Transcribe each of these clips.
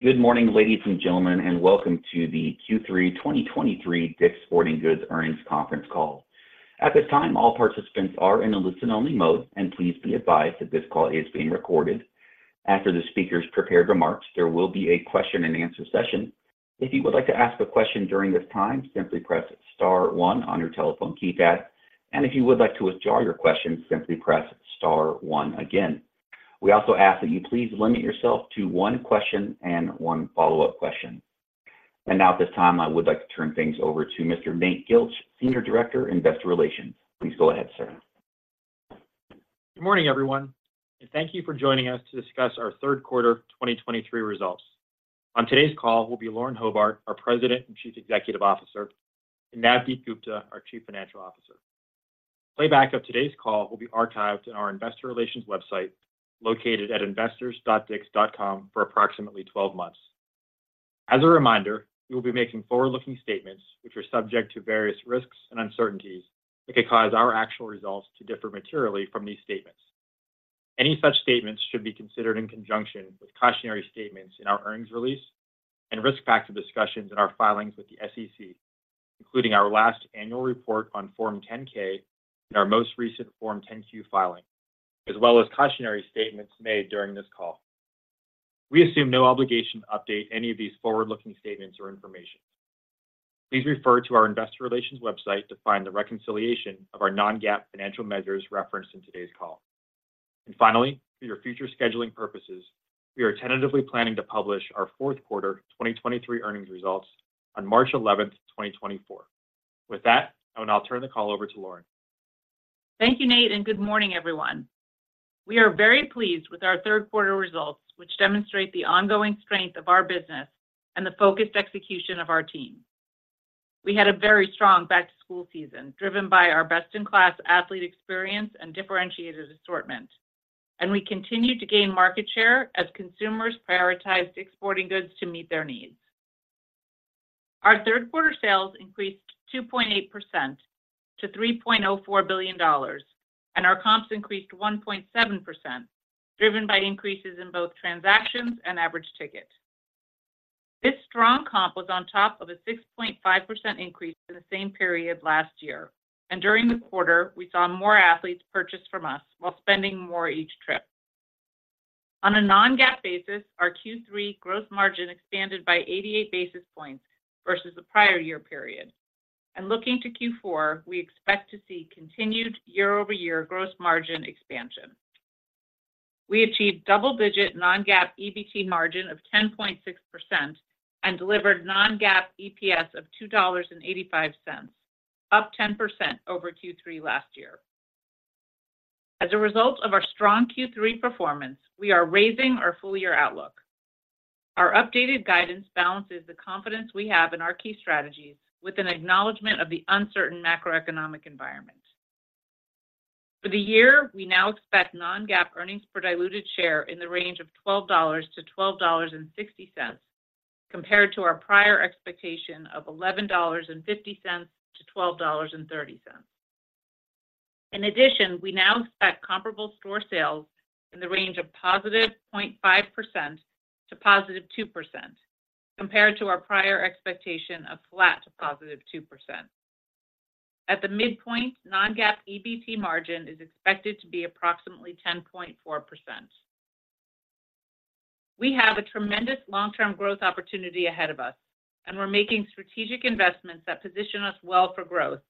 Good morning, ladies and gentlemen, and welcome to the Q3 2023 DICK'S Sporting Goods Earnings Conference Call. At this time, all participants are in a listen-only mode, and please be advised that this call is being recorded. After the speakers' prepared remarks, there will be a question-and-answer session. If you would like to ask a question during this time, simply press star one on your telephone keypad, and if you would like to withdraw your question, simply press star one again. We also ask that you please limit yourself to one question and one follow-up question. Now, at this time, I would like to turn things over to Mr. Nate Gilch, Senior Director, Investor Relations. Please go ahead, sir. Good morning, everyone, and thank you for joining us to discuss our third quarter 2023 results. On today's call will be Lauren Hobart, our President and Chief Executive Officer, and Navdeep Gupta, our Chief Financial Officer. Playback of today's call will be archived in our investor relations website, located at investors.dicks.com, for approximately 12 months. As a reminder, we will be making forward-looking statements, which are subject to various risks and uncertainties that could cause our actual results to differ materially from these statements. Any such statements should be considered in conjunction with cautionary statements in our earnings release and risk factor discussions in our filings with the SEC, including our last annual report on Form 10-K and our most recent Form 10-Q filing, as well as cautionary statements made during this call. We assume no obligation to update any of these forward-looking statements or information. Please refer to our investor relations website to find the reconciliation of our Non-GAAP financial measures referenced in today's call. Finally, for your future scheduling purposes, we are tentatively planning to publish our fourth quarter 2023 earnings results on March eleventh, 2024. With that, I will now turn the call over to Lauren. Thank you, Nate, and good morning, everyone. We are very pleased with our third quarter results, which demonstrate the ongoing strength of our business and the focused execution of our team. We had a very strong back-to-school season, driven by our best-in-class athlete experience and differentiated assortment, and we continued to gain market share as consumers prioritized sporting goods to meet their needs. Our third quarter sales increased 2.8% to $3.04 billion, and our comps increased 1.7%, driven by increases in both transactions and average ticket. This strong comp was on top of a 6.5% increase in the same period last year, and during the quarter, we saw more athletes purchase from us while spending more each trip. On a non-GAAP basis, our Q3 gross margin expanded by 88 basis points versus the prior year period, and looking to Q4, we expect to see continued year-over-year gross margin expansion. We achieved double-digit non-GAAP EBT margin of 10.6% and delivered non-GAAP EPS of $2.85, up 10% over Q3 last year. As a result of our strong Q3 performance, we are raising our full-year outlook. Our updated guidance balances the confidence we have in our key strategies with an acknowledgment of the uncertain macroeconomic environment. For the year, we now expect non-GAAP earnings per diluted share in the range of $12-$12.60, compared to our prior expectation of $11.50-$12.30. In addition, we now expect comparable store sales in the range of +0.5% to +2%, compared to our prior expectation of flat to +2%. At the midpoint, non-GAAP EBT margin is expected to be approximately 10.4%. We have a tremendous long-term growth opportunity ahead of us, and we're making strategic investments that position us well for growth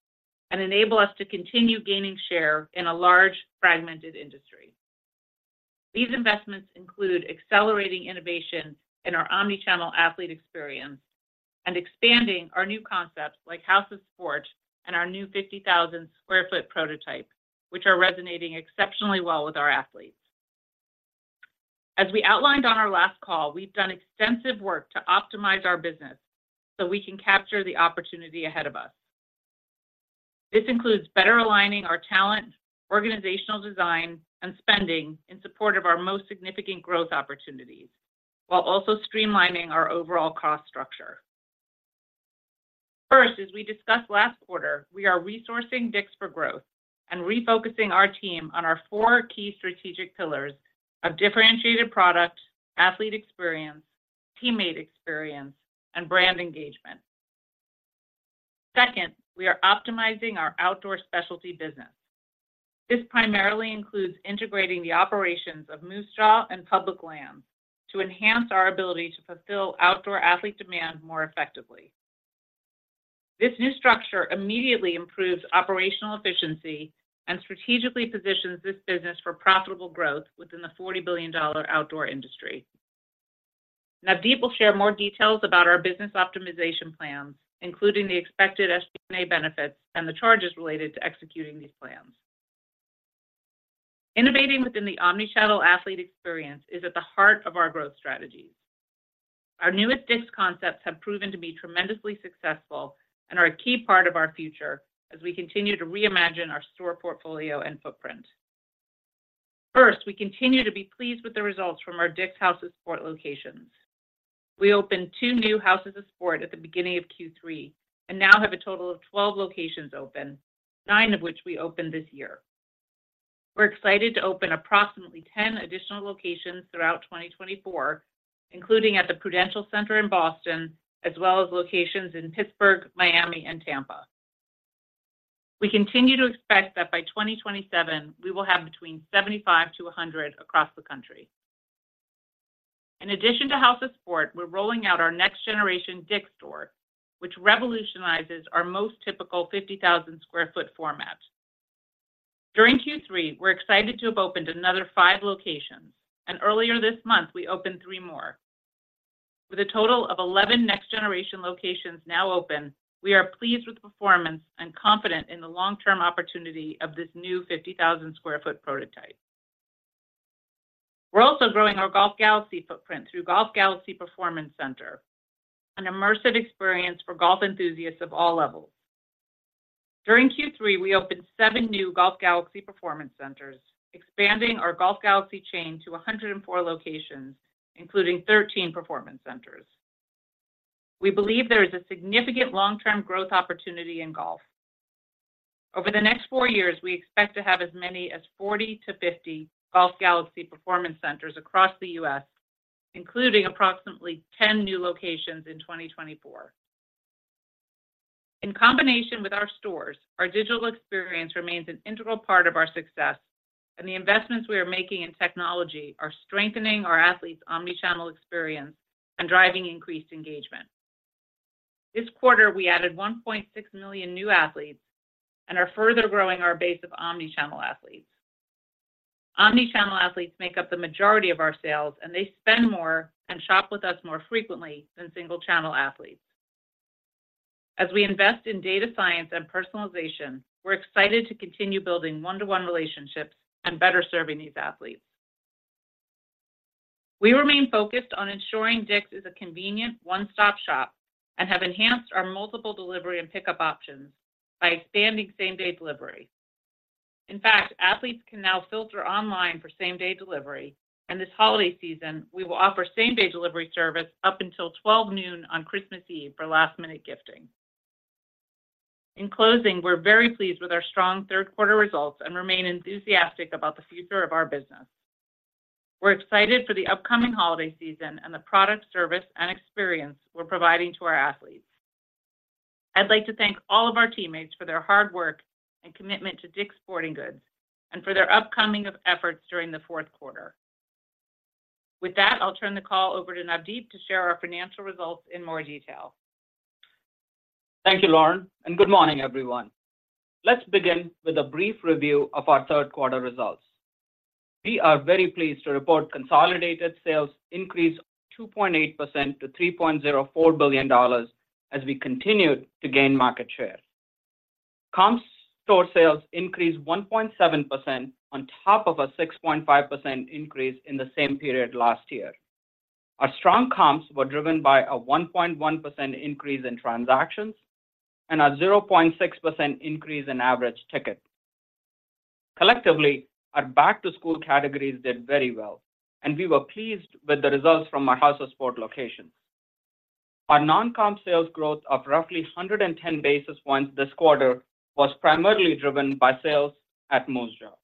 and enable us to continue gaining share in a large, fragmented industry. These investments include accelerating innovation in our omnichannel athlete experience and expanding our new concepts, like House of Sport and our new 50,000 sq ft prototype, which are resonating exceptionally well with our athletes. As we outlined on our last call, we've done extensive work to optimize our business so we can capture the opportunity ahead of us. This includes better aligning our talent, organizational design, and spending in support of our most significant growth opportunities, while also streamlining our overall cost structure. First, as we discussed last quarter, we are resourcing DICK'S for growth and refocusing our team on our four key strategic pillars of differentiated product, athlete experience, teammate experience, and brand engagement. Second, we are optimizing our outdoor specialty business. This primarily includes integrating the operations of Moosejaw and Public Lands to enhance our ability to fulfill outdoor athlete demand more effectively. This new structure immediately improves operational efficiency and strategically positions this business for profitable growth within the $40 billion outdoor industry. Navdeep will share more details about our business optimization plans, including the expected SG&A benefits and the charges related to executing these plans. Innovating within the omnichannel athlete experience is at the heart of our growth strategies. Our newest DICK'S concepts have proven to be tremendously successful and are a key part of our future as we continue to reimagine our store portfolio and footprint. First, we continue to be pleased with the results from our DICK'S House of Sport locations. We opened 2 new Houses of Sport at the beginning of Q3 and now have a total of 12 locations open, 9 of which we opened this year.... We're excited to open approximately 10 additional locations throughout 2024, including at the Prudential Center in Boston, as well as locations in Pittsburgh, Miami, and Tampa. We continue to expect that by 2027, we will have between 75-100 across the country. In addition to House of Sport, we're rolling out our next generation DICK'S store, which revolutionizes our most typical 50,000 sq ft format. During Q3, we're excited to have opened another 5 locations, and earlier this month we opened 3 more. With a total of 11 next generation locations now open, we are pleased with the performance and confident in the long-term opportunity of this new 50,000 sq ft prototype. We're also growing our Golf Galaxy footprint through Golf Galaxy Performance Center, an immersive experience for golf enthusiasts of all levels. During Q3, we opened 7 new Golf Galaxy performance centers, expanding our Golf Galaxy chain to 104 locations, including 13 performance centers. We believe there is a significant long-term growth opportunity in golf. Over the next 4 years, we expect to have as many as 40-50 Golf Galaxy performance centers across the U.S., including approximately 10 new locations in 2024. In combination with our stores, our digital experience remains an integral part of our success, and the investments we are making in technology are strengthening our athletes' omnichannel experience and driving increased engagement. This quarter, we added 1.6 million new athletes and are further growing our base of omnichannel athletes. Omnichannel athletes make up the majority of our sales, and they spend more and shop with us more frequently than single-channel athletes. As we invest in data science and personalization, we're excited to continue building one-to-one relationships and better serving these athletes. We remain focused on ensuring DICK'S is a convenient one-stop shop and have enhanced our multiple delivery and pickup options by expanding same-day delivery. In fact, athletes can now filter online for same-day delivery, and this holiday season, we will offer same-day delivery service up until 12 noon on Christmas Eve for last-minute gifting. In closing, we're very pleased with our strong third quarter results and remain enthusiastic about the future of our business. We're excited for the upcoming holiday season and the product, service, and experience we're providing to our athletes. I'd like to thank all of our teammates for their hard work and commitment to DICK'S Sporting Goods and for their upcoming efforts during the fourth quarter. With that, I'll turn the call over to Navdeep to share our financial results in more detail. Thank you, Lauren, and good morning, everyone. Let's begin with a brief review of our third quarter results. We are very pleased to report consolidated sales increased 2.8% to $3.04 billion as we continued to gain market share. Comps store sales increased 1.7% on top of a 6.5% increase in the same period last year. Our strong comps were driven by a 1.1% increase in transactions and a 0.6% increase in average ticket. Collectively, our back-to-school categories did very well, and we were pleased with the results from our House of Sport locations. Our non-comp sales growth of roughly 110 basis points this quarter was primarily driven by sales at Moosejaw.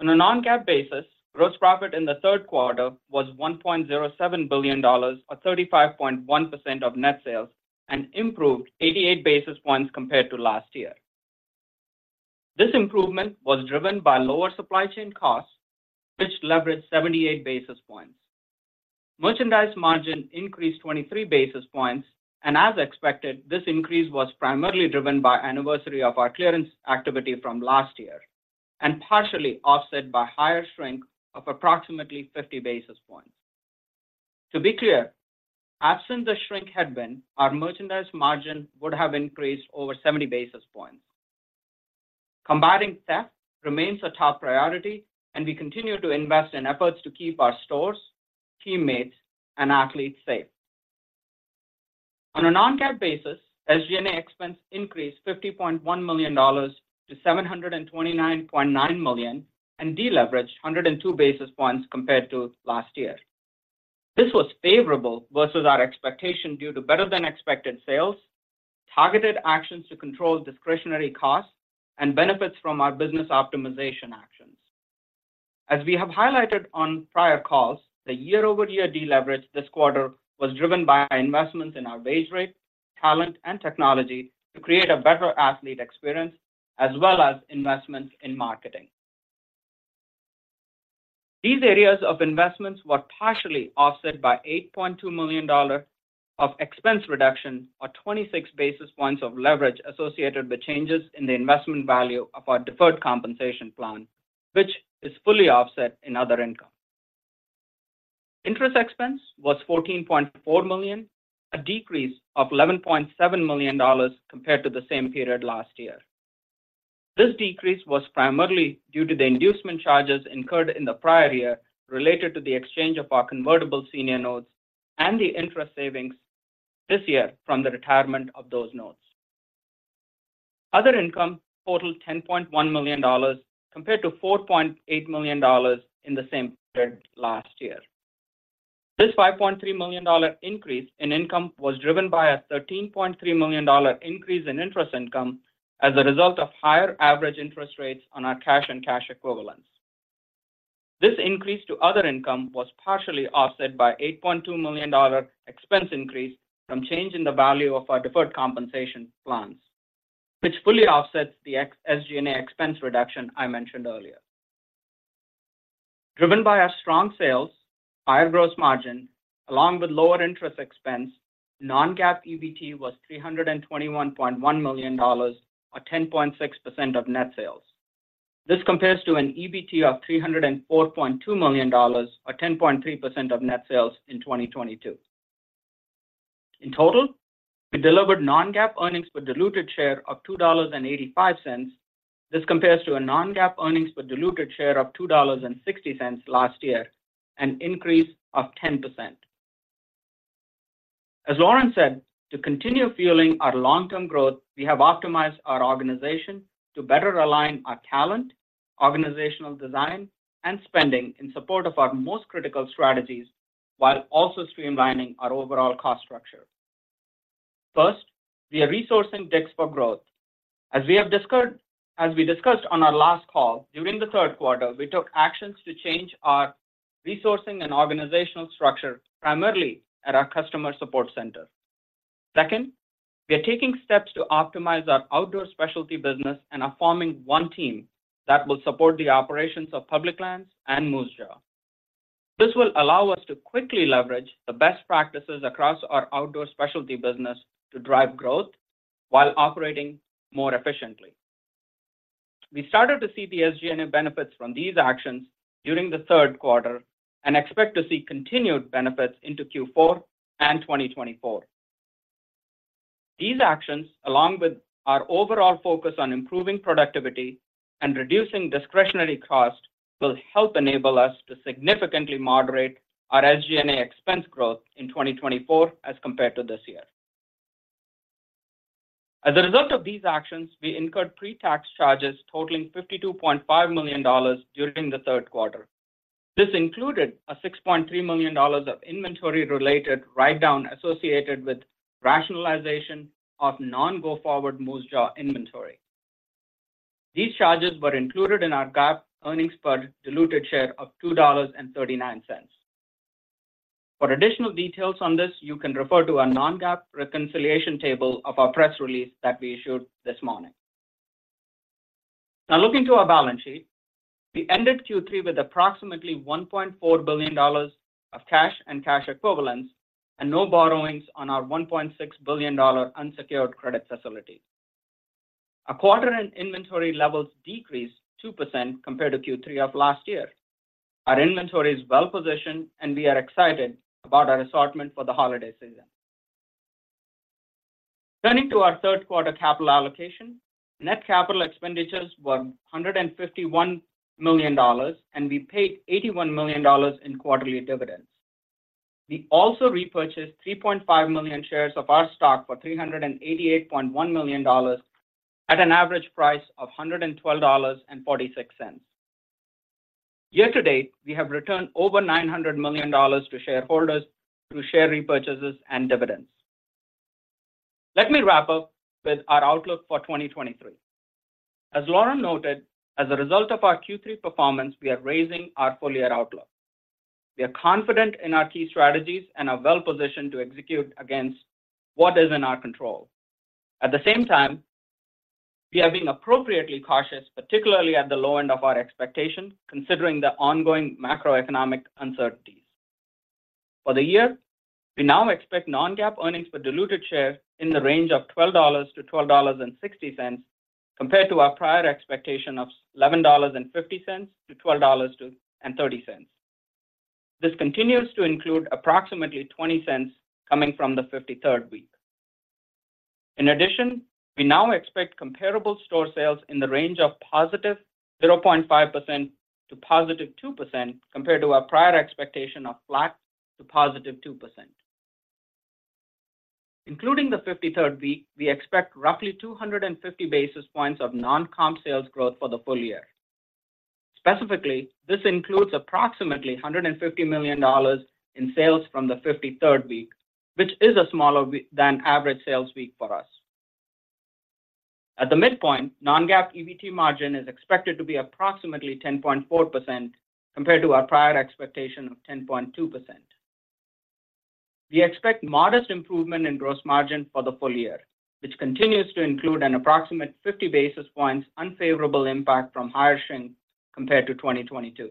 On a Non-GAAP basis, gross profit in the third quarter was $1.07 billion, or 35.1% of net sales, and improved 88 basis points compared to last year. This improvement was driven by lower supply chain costs, which leveraged 78 basis points. Merchandise margin increased 23 basis points, and as expected, this increase was primarily driven by anniversary of our clearance activity from last year and partially offset by higher shrink of approximately 50 basis points. To be clear, absent the shrink headwind, our merchandise margin would have increased over 70 basis points. Combating theft remains a top priority, and we continue to invest in efforts to keep our stores, teammates, and athletes safe. On a non-GAAP basis, SG&A expense increased $50.1 million to $729.9 million and deleveraged 102 basis points compared to last year. This was favorable versus our expectation due to better-than-expected sales, targeted actions to control discretionary costs, and benefits from our business optimization actions. As we have highlighted on prior calls, the year-over-year deleverage this quarter was driven by investments in our base rate, talent, and technology to create a better athlete experience, as well as investments in marketing. These areas of investments were partially offset by $8.2 million dollars of expense reduction, or 26 basis points of leverage associated with changes in the investment value of our deferred compensation plan, which is fully offset in other income. Interest expense was $14.4 million, a decrease of $11.7 million compared to the same period last year. This decrease was primarily due to the inducement charges incurred in the prior year related to the exchange of our convertible senior notes and the interest savings this year from the retirement of those notes. Other income totaled $10.1 million, compared to $4.8 million in the same period last year.... This $5.3 million increase in income was driven by a $13.3 million increase in interest income as a result of higher average interest rates on our cash and cash equivalents. This increase to other income was partially offset by $8.2 million expense increase from change in the value of our deferred compensation plans, which fully offsets the SG&A expense reduction I mentioned earlier. Driven by our strong sales, higher gross margin, along with lower interest expense, non-GAAP EBT was $321.1 million, or 10.6% of net sales. This compares to an EBT of $304.2 million, or 10.3% of net sales in 2022. In total, we delivered non-GAAP earnings per diluted share of $2.85. This compares to a non-GAAP earnings per diluted share of $2.60 last year, an increase of 10%. As Lauren said, to continue fueling our long-term growth, we have optimized our organization to better align our talent, organizational design, and spending in support of our most critical strategies, while also streamlining our overall cost structure. First, we are resourcing DICK'S for growth. As we have discussed, as we discussed on our last call, during the third quarter, we took actions to change our resourcing and organizational structure, primarily at our customer support center. Second, we are taking steps to optimize our outdoor specialty business and are forming one team that will support the operations of Public Lands and Moosejaw. This will allow us to quickly leverage the best practices across our outdoor specialty business to drive growth while operating more efficiently. We started to see the SG&A benefits from these actions during the third quarter and expect to see continued benefits into Q4 and 2024. These actions, along with our overall focus on improving productivity and reducing discretionary costs, will help enable us to significantly moderate our SG&A expense growth in 2024 as compared to this year. As a result of these actions, we incurred pre-tax charges totaling $52.5 million during the third quarter. This included a $6.3 million of inventory-related write-down associated with rationalization of non-go-forward Moosejaw inventory. These charges were included in our GAAP earnings per diluted share of $2.39. For additional details on this, you can refer to our non-GAAP reconciliation table of our press release that we issued this morning. Now, looking to our balance sheet, we ended Q3 with approximately $1.4 billion of cash and cash equivalents, and no borrowings on our $1.6 billion unsecured credit facility. Our quarter-end inventory levels decreased 2% compared to Q3 of last year. Our inventory is well positioned, and we are excited about our assortment for the holiday season. Turning to our third quarter capital allocation, net capital expenditures were $151 million, and we paid $81 million in quarterly dividends. We also repurchased 3.5 million shares of our stock for $388.1 million, at an average price of $112.46. Year to date, we have returned over $900 million to shareholders through share repurchases and dividends. Let me wrap up with our outlook for 2023. As Lauren noted, as a result of our Q3 performance, we are raising our full year outlook. We are confident in our key strategies and are well positioned to execute against what is in our control. At the same time, we are being appropriately cautious, particularly at the low end of our expectation, considering the ongoing macroeconomic uncertainties. For the year, we now expect non-GAAP earnings per diluted share in the range of $12-$12.60, compared to our prior expectation of $11.50-$12.30. This continues to include approximately $0.20 coming from the fifty-third week. In addition, we now expect comparable store sales in the range of +0.5% to +2%, compared to our prior expectation of flat to +2%. Including the fifty-third week, we expect roughly 250 basis points of non-comp sales growth for the full year. Specifically, this includes approximately $150 million in sales from the 53rd week, which is a smaller week than average sales week for us. At the midpoint, non-GAAP EBT margin is expected to be approximately 10.4%, compared to our prior expectation of 10.2%. We expect modest improvement in gross margin for the full year, which continues to include an approximate 50 basis points unfavorable impact from higher shrink compared to 2022.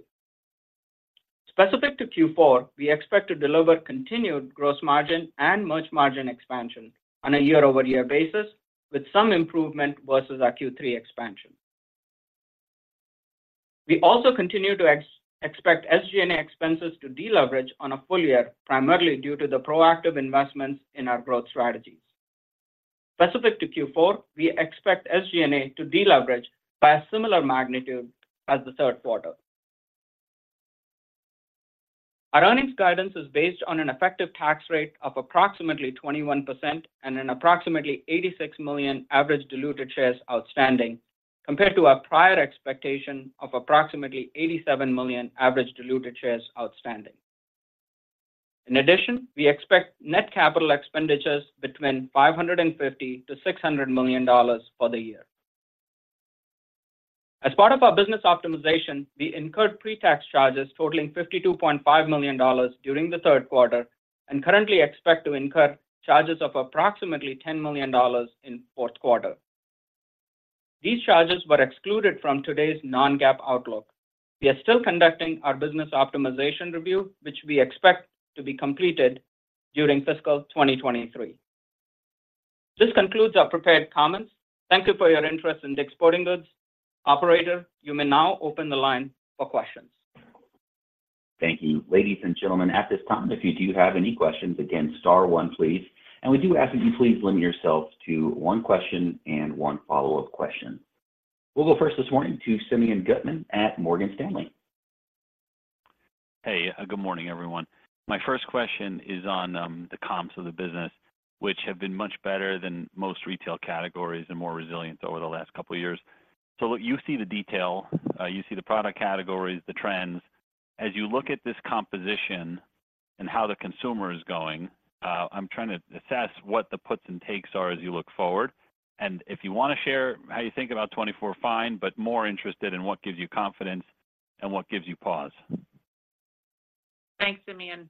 Specific to Q4, we expect to deliver continued gross margin and merch margin expansion on a year-over-year basis, with some improvement versus our Q3 expansion. We also continue to expect SG&A expenses to deleverage on a full year, primarily due to the proactive investments in our growth strategies. Specific to Q4, we expect SG&A to deleverage by a similar magnitude as the third quarter. Our earnings guidance is based on an effective tax rate of approximately 21% and an approximately 86 million average diluted shares outstanding, compared to our prior expectation of approximately 87 million average diluted shares outstanding. In addition, we expect net capital expenditures between $550 million-$600 million for the year. As part of our business optimization, we incurred pre-tax charges totaling $52.5 million during the third quarter, and currently expect to incur charges of approximately $10 million in fourth quarter. These charges were excluded from today's non-GAAP outlook. We are still conducting our business optimization review, which we expect to be completed during fiscal 2023. This concludes our prepared comments. Thank you for your interest in DICK'S Sporting Goods. Operator, you may now open the line for questions. Thank you. Ladies and gentlemen, at this time, if you do have any questions, again, star one, please. We do ask that you please limit yourselves to one question and one follow-up question. We'll go first this morning to Simeon Gutman at Morgan Stanley. Hey, good morning, everyone. My first question is on the comps of the business, which have been much better than most retail categories and more resilient over the last couple of years. So look, you see the detail, you see the product categories, the trends. As you look at this composition and how the consumer is going, I'm trying to assess what the puts and takes are as you look forward. And if you want to share how you think about 2024, fine, but more interested in what gives you confidence and what gives you pause. Thanks, Simeon.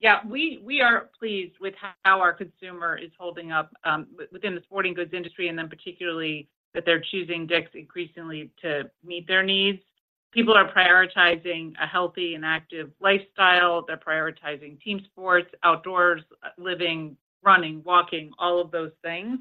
Yeah, we, we are pleased with how our consumer is holding up, within the sporting goods industry, and then particularly that they're choosing DICK'S increasingly to meet their needs. People are prioritizing a healthy and active lifestyle. They're prioritizing team sports, outdoors, living, running, walking, all of those things.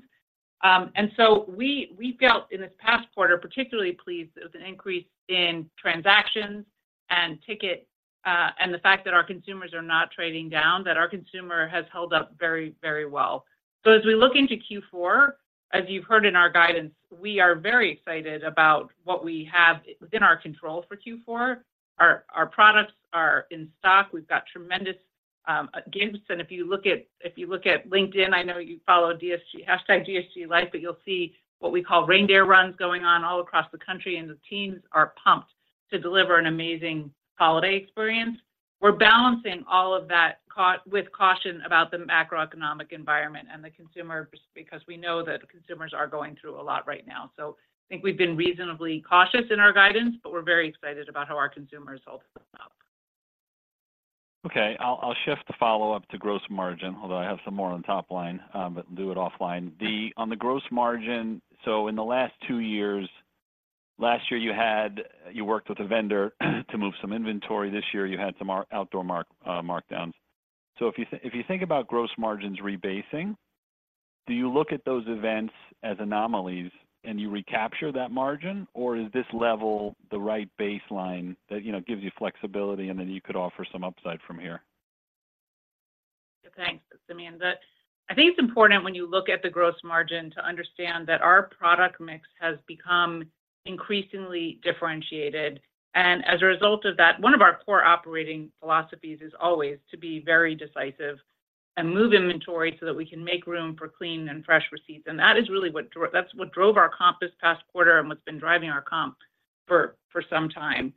And so we, we felt in this past quarter, particularly pleased with an increase in transactions and ticket, and the fact that our consumers are not trading down, that our consumer has held up very, very well. So as we look into Q4, as you've heard in our guidance, we are very excited about what we have within our control for Q4. Our, our products are in stock. We've got tremendous gifts, and if you look at LinkedIn, I know you follow DSG, #DSGLife, but you'll see what we call reindeer runs going on all across the country, and the teams are pumped to deliver an amazing holiday experience. We're balancing all of that with caution about the macroeconomic environment and the consumer, because we know that consumers are going through a lot right now. So I think we've been reasonably cautious in our guidance, but we're very excited about how our consumers held up. Okay, I'll shift the follow-up to gross margin, although I have some more on top line, but do it offline. On the gross margin, so in the last two years, last year, you had you worked with a vendor to move some inventory. This year, you had some outdoor markdowns. So if you think about gross margins rebasing, do you look at those events as anomalies, and you recapture that margin, or is this level the right baseline that, you know, gives you flexibility, and then you could offer some upside from here? Thanks, Simeon. I think it's important when you look at the gross margin to understand that our product mix has become increasingly differentiated. And as a result of that, one of our core operating philosophies is always to be very decisive and move inventory so that we can make room for clean and fresh receipts. And that is really that's what drove our comp this past quarter and what's been driving our comp for some time.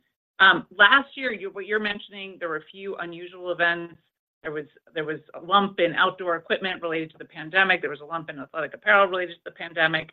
Last year, what you're mentioning, there were a few unusual events. There was a lump in outdoor equipment related to the pandemic. There was a lump in athletic apparel related to the pandemic.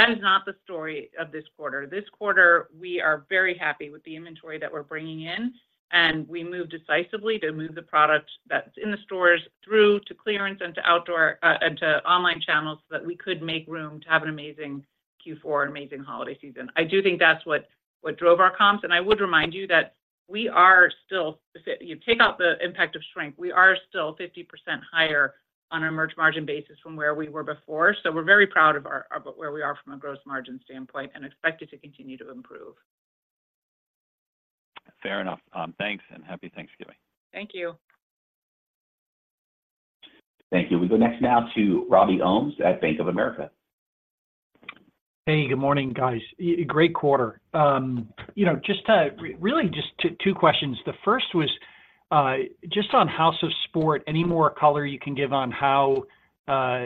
That is not the story of this quarter. This quarter, we are very happy with the inventory that we're bringing in, and we moved decisively to move the product that's in the stores through to clearance and to outdoor, and to online channels, so that we could make room to have an amazing Q4 and amazing holiday season. I do think that's what drove our comps, and I would remind you that we are still... If you take out the impact of shrink, we are still 50% higher on our merch margin basis from where we were before. So we're very proud of our, where we are from a gross margin standpoint and expect it to continue to improve. Fair enough. Thanks, and Happy Thanksgiving. Thank you. Thank you. We go next now to Robbie Ohmes at Bank of America. Hey, good morning, guys. Great quarter. You know, just to really just two questions. The first was just on House of Sport, any more color you can give on how,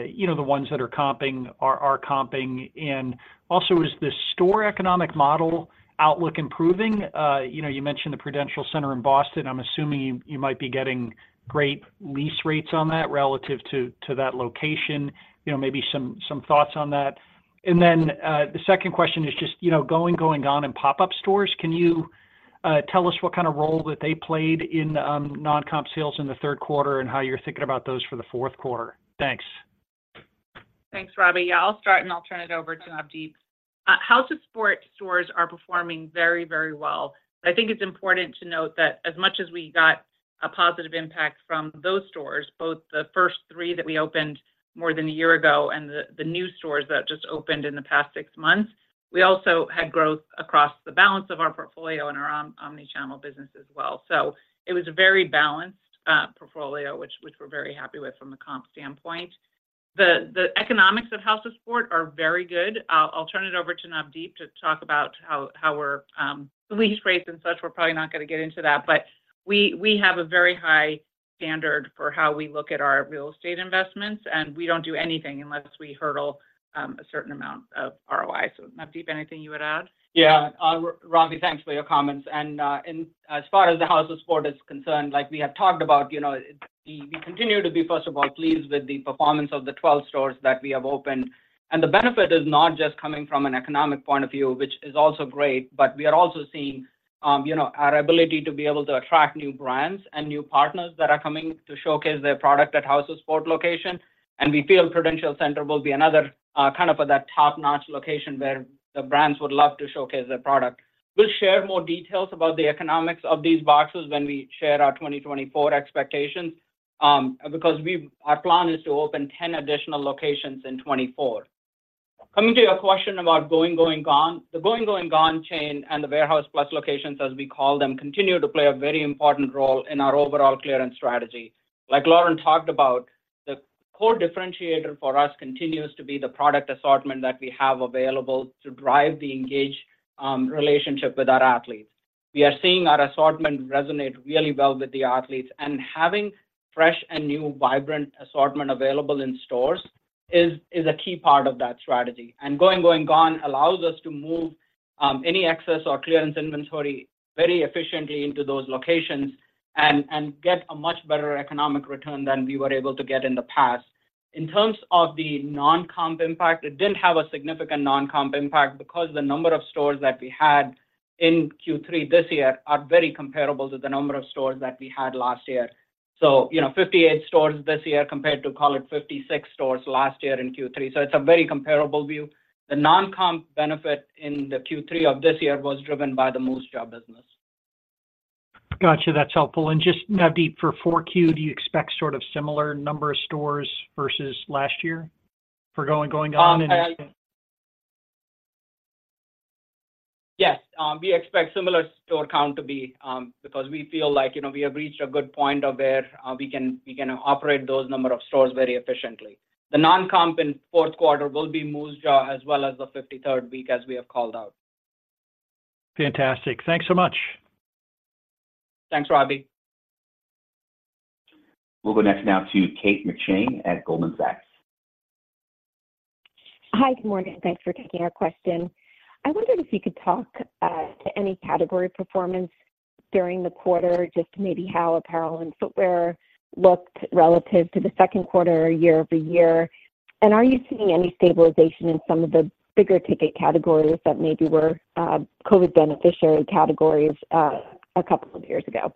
you know, the ones that are comping are comping? And also, is the store economic model outlook improving? You know, you mentioned the Prudential Center in Boston. I'm assuming you might be getting great lease rates on that relative to that location. You know, maybe some thoughts on that. And then the second question is just, you know, Going, Going, Gone! and pop-up stores. Can you tell us what kind of role that they played in non-comp sales in the third quarter and how you're thinking about those for the fourth quarter? Thanks. Thanks, Robbie. Yeah, I'll start, and I'll turn it over to Navdeep. House of Sport stores are performing very, very well. I think it's important to note that as much as we got a positive impact from those stores, both the first three that we opened more than a year ago and the new stores that just opened in the past six months, we also had growth across the balance of our portfolio and our omni-channel business as well. So it was a very balanced portfolio, which we're very happy with from a comp standpoint. The economics of House of Sport are very good. I'll turn it over to Navdeep to talk about how we're the lease rates and such. We're probably not going to get into that, but we, we have a very high standard for how we look at our real estate investments, and we don't do anything unless we hurdle a certain amount of ROI. So Navdeep, anything you would add? Yeah. Robbie, thanks for your comments. And as far as the House of Sport is concerned, like we have talked about, you know, we continue to be, first of all, pleased with the performance of the 12 stores that we have opened. And the benefit is not just coming from an economic point of view, which is also great, but we are also seeing, you know, our ability to be able to attract new brands and new partners that are coming to showcase their product at House of Sport location. And we feel Prudential Center will be another kind of that top-notch location, where the brands would love to showcase their product. We'll share more details about the economics of these boxes when we share our 2024 expectations, because our plan is to open 10 additional locations in 2024. Coming to your question about Going, Going, Gone. The Going, Going, Gone chain and the Warehouse Plus locations, as we call them, continue to play a very important role in our overall clearance strategy. Like Lauren talked about, the core differentiator for us continues to be the product assortment that we have available to drive the engaged relationship with our athletes. We are seeing our assortment resonate really well with the athletes, and having fresh and new vibrant assortment available in stores is a key part of that strategy. Going, Going, Gone allows us to move any excess or clearance inventory very efficiently into those locations and get a much better economic return than we were able to get in the past. In terms of the non-comp impact, it didn't have a significant non-comp impact, because the number of stores that we had in Q3 this year are very comparable to the number of stores that we had last year. So, you know, 58 stores this year compared to, call it, 56 stores last year in Q3. So it's a very comparable view. The non-comp benefit in the Q3 of this year was driven by the Moosejaw business. Gotcha. That's helpful. Just, Navdeep, for 4Q, do you expect sort of similar number of stores versus last year for Going, Going, Gone! and- Yes, we expect similar store count to be... Because we feel like, you know, we have reached a good point of where we can, we can operate those number of stores very efficiently. The non-comp in fourth quarter will be Moosejaw, as well as the 53rd week, as we have called out. Fantastic. Thanks so much. Thanks, Robbie. We'll go next now to Kate McShane at Goldman Sachs. Hi, good morning. Thanks for taking our question. I wondered if you could talk to any category performance during the quarter, just maybe how apparel and footwear looked relative to the second quarter year-over-year? And are you seeing any stabilization in some of the bigger ticket categories that maybe were COVID beneficiary categories a couple of years ago?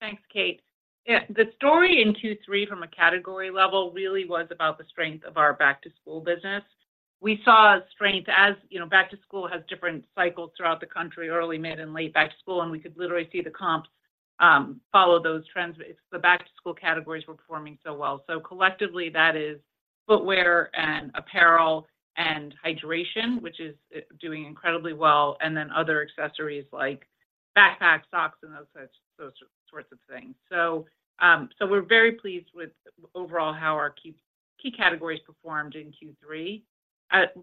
Thanks, Kate. Yeah, the story in Q3 from a category level really was about the strength of our back-to-school business. We saw strength as, you know, back to school has different cycles throughout the country, early, mid, and late back to school, and we could literally see the comps follow those trends. It's the back-to-school categories were performing so well. So collectively, that is footwear and apparel and hydration, which is doing incredibly well, and then other accessories like backpacks, socks, and those types, those sorts of things. So, so we're very pleased with overall how our key, key categories performed in Q3.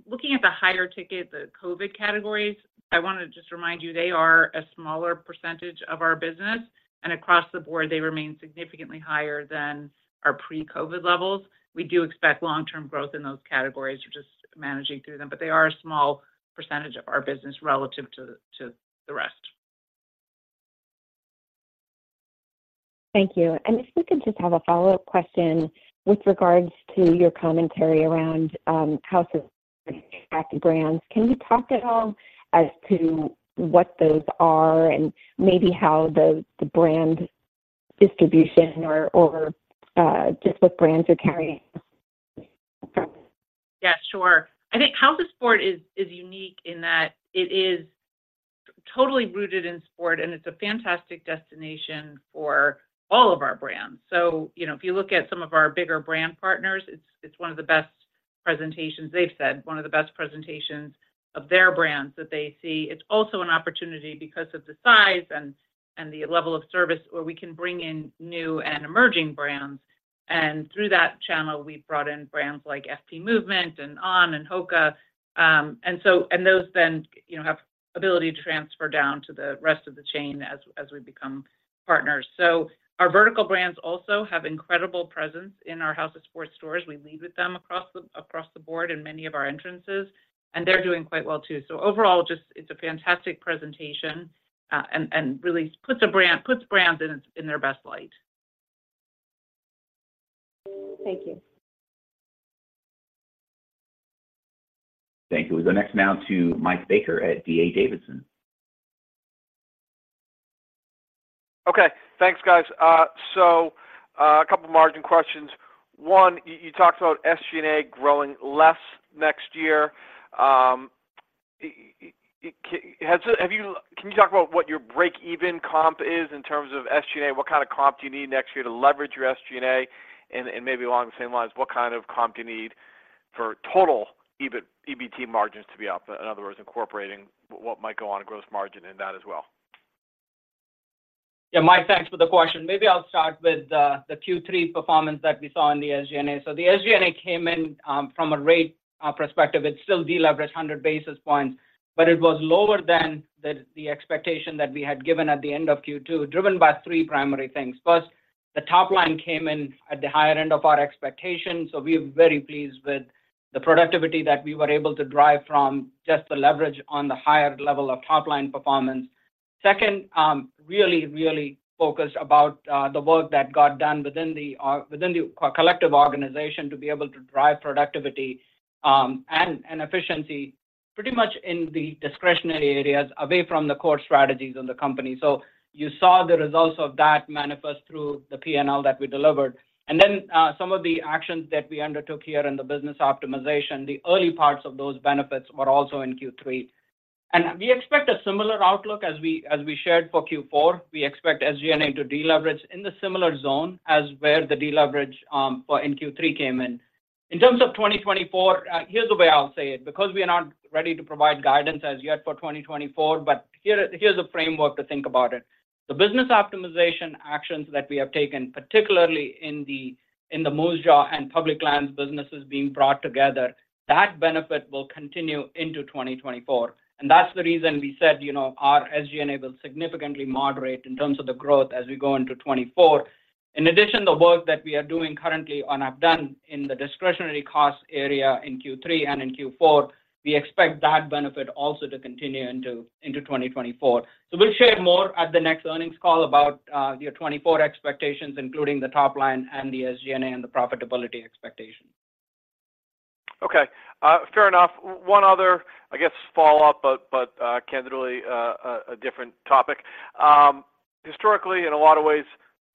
Looking at the higher ticket, the COVID categories, I want to just remind you, they are a smaller percentage of our business, and across the board, they remain significantly higher than our pre-COVID levels. We do expect long-term growth in those categories. We're just managing through them, but they are a small percentage of our business relative to, to the rest. Thank you. And if we could just have a follow-up question with regards to your commentary around House of brands. Can you talk at all as to what those are and maybe how the brand distribution or just what brands are carrying? Yeah, sure. I think House of Sport is, is unique in that it is totally rooted in sport, and it's a fantastic destination for all of our brands. So, you know, if you look at some of our bigger brand partners, it's, it's one of the best presentations they've said, one of the best presentations of their brands that they see. It's also an opportunity because of the size and, and the level of service where we can bring in new and emerging brands. And through that channel, we've brought in brands like FP Movement and On and Hoka. And so and those then, you know, have ability to transfer down to the rest of the chain as, as we become partners. So our vertical brands also have incredible presence in our House of Sport stores. We lead with them across the board in many of our entrances, and they're doing quite well, too. So overall, just it's a fantastic presentation, and really puts brands in their best light. Thank you. Thank you. We go next now to Mike Baker at D.A. Davidson. Okay, thanks, guys. A couple of margin questions. One, you talked about SG&A growing less next year. Can you talk about what your break-even comp is in terms of SG&A? What kind of comp do you need next year to leverage your SG&A? And, maybe along the same lines, what kind of comp do you need for total EBT margins to be up, in other words, incorporating what might go on a gross margin in that as well?... Yeah, Mike, thanks for the question. Maybe I'll start with the Q3 performance that we saw in the SG&A. So the SG&A came in from a rate perspective. It still deleveraged 100 basis points, but it was lower than the expectation that we had given at the end of Q2, driven by 3 primary things. First, the top line came in at the higher end of our expectations, so we are very pleased with the productivity that we were able to drive from just the leverage on the higher level of top-line performance. Second, really, really focused about the work that got done within the within the collective organization to be able to drive productivity and efficiency pretty much in the discretionary areas, away from the core strategies in the company. You saw the results of that manifest through the P&L that we delivered. Then, some of the actions that we undertook here in the business optimization, the early parts of those benefits were also in Q3. We expect a similar outlook as we shared for Q4. We expect SG&A to deleverage in the similar zone as where the deleverage for in Q3 came in. In terms of 2024, here's the way I'll say it, because we are not ready to provide guidance as yet for 2024, but here's a framework to think about it. The business optimization actions that we have taken, particularly in the Moosejaw and Public Lands businesses being brought together, that benefit will continue into 2024. That's the reason we said, you know, our SG&A will significantly moderate in terms of the growth as we go into 2024. In addition, the work that we are doing currently on, I've done in the discretionary cost area in Q3 and in Q4, we expect that benefit also to continue into 2024. We'll share more at the next earnings call about the 2024 expectations, including the top line and the SG&A, and the profitability expectations. Okay, fair enough. One other, I guess, follow-up, but candidly, a different topic. Historically, in a lot of ways,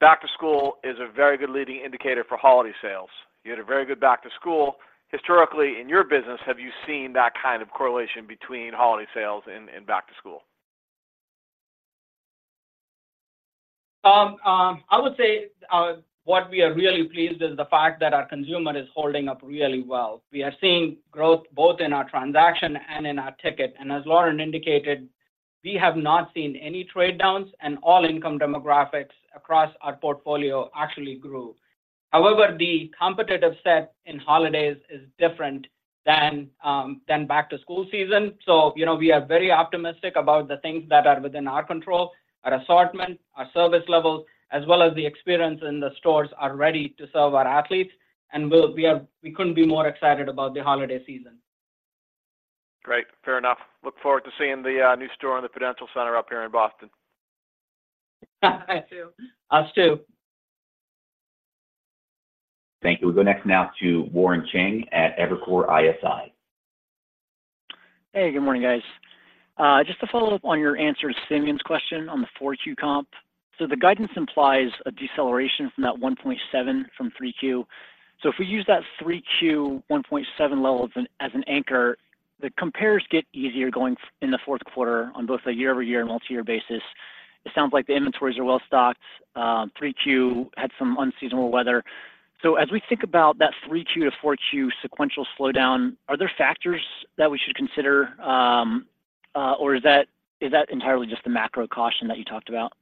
back to school is a very good leading indicator for holiday sales. You had a very good back to school. Historically, in your business, have you seen that kind of correlation between holiday sales and back to school? I would say what we are really pleased is the fact that our consumer is holding up really well. We are seeing growth both in our transaction and in our ticket, and as Lauren indicated, we have not seen any trade downs, and all income demographics across our portfolio actually grew. However, the competitive set in holidays is different than back-to-school season. So, you know, we are very optimistic about the things that are within our control. Our assortment, our service levels, as well as the experience in the stores, are ready to serve our athletes, and we couldn't be more excited about the holiday season. Great! Fair enough. Look forward to seeing the new store in the Prudential Center up here in Boston. I too. Us, too. Thank you. We'll go next now to Warren Cheng at Evercore ISI. Hey, good morning, guys. Just to follow up on your answer to Simeon’s question on the four Q comp. So the guidance implies a deceleration from that 1.7 from three Q. So if we use that three Q, 1.7 level as an anchor, the compares get easier going in the fourth quarter on both a year-over-year and multi-year basis. It sounds like the inventories are well stocked. Three Q had some unseasonal weather. So as we think about that three Q to four Q sequential slowdown, are there factors that we should consider, or is that entirely just the macro caution that you talked about?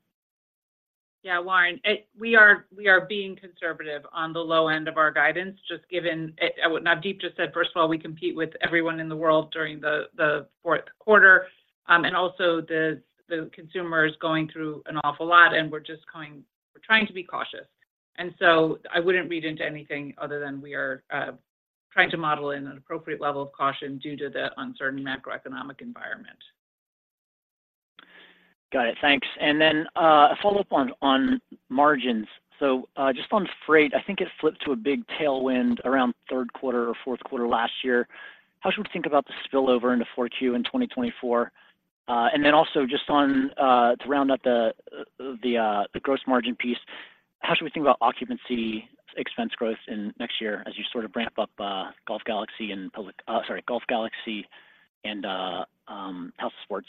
Yeah, Warren, it—we are, we are being conservative on the low end of our guidance, just given what Navdeep just said. First of all, we compete with everyone in the world during the fourth quarter. And also the consumer is going through an awful lot, and we're just going—we're trying to be cautious. And so I wouldn't read into anything other than we are trying to model in an appropriate level of caution due to the uncertain macroeconomic environment. Got it. Thanks. And then a follow-up on margins. So just on freight, I think it flipped to a big tailwind around third quarter or fourth quarter last year. How should we think about the spillover into 4Q in 2024? And then also just on to round out the gross margin piece, how should we think about occupancy expense growth in next year as you sort of ramp up Golf Galaxy and House of Sport?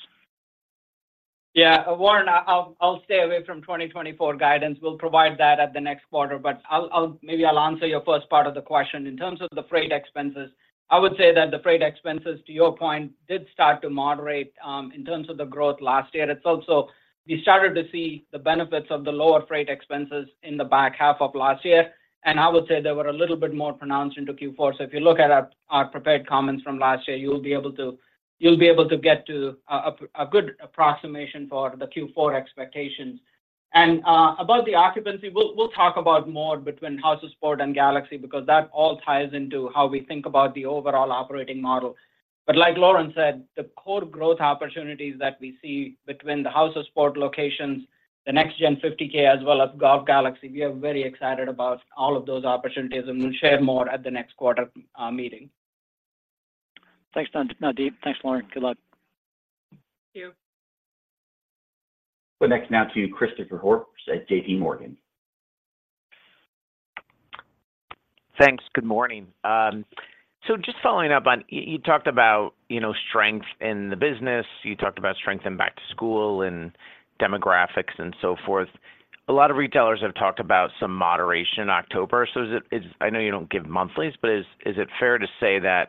Yeah, Warren, I'll stay away from 2024 guidance. We'll provide that at the next quarter. But I'll, maybe I'll answer your first part of the question. In terms of the freight expenses, I would say that the freight expenses, to your point, did start to moderate in terms of the growth last year. It's also, we started to see the benefits of the lower freight expenses in the back half of last year, and I would say they were a little bit more pronounced into Q4. So if you look at our prepared comments from last year, you'll be able to get to a good approximation for the Q4 expectations. And about the occupancy, we'll talk about more between House of Sport and Galaxy because that all ties into how we think about the overall operating model. Like Lauren said, the core growth opportunities that we see between the House of Sport locations, the Next Gen 50K, as well as Golf Galaxy, we are very excited about all of those opportunities, and we'll share more at the next quarter meeting. Thanks, Navdeep. Thanks, Lauren. Good luck. Thank you. We'll next now to Christopher Horvers at JP Morgan. Thanks. Good morning. So just following up on... you talked about, you know, strength in the business. You talked about strength in back to school, and demographics, and so forth.... A lot of retailers have talked about some moderation in October. So is it? I know you don't give monthlies, but is it fair to say that,